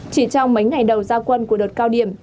chỉ trong mấy ngày đầu gia quân của đợt cao điểm